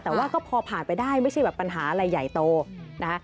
แต่ว่าก็พอผ่านไปได้ไม่ใช่แบบปัญหาอะไรใหญ่โตนะคะ